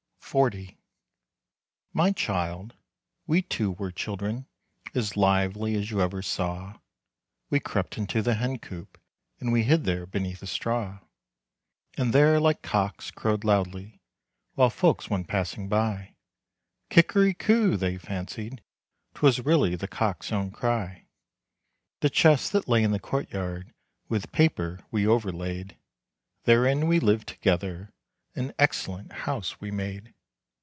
XL. My child, we two were children, As lively as ever you saw, We crept into the hencoop, And we hid there beneath the straw. And there, like cocks, crowed loudly, While folk went passing by. "Kickery koo!" they fancied, 'Twas really the cock's own cry. The chests that lay in the courtyard, With paper we overlaid. Therein we lived together; An excellent house we made.